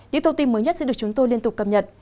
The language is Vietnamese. những thông tin mới nhất sẽ được chúng tôi liên tục cập nhật